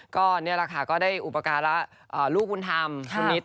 ก็นี่แหละค่ะก็ได้อุปการะลูกบุญธรรมคุณนิด